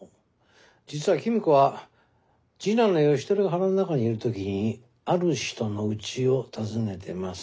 実は公子は次男の義輝が腹の中にいる時にある人のうちを訪ねてます。